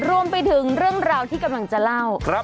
รวมไปถึงเรื่องราวที่กำลังจะเล่า